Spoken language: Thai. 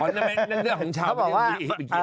นั่นเรื่องของชาวบ้านนี้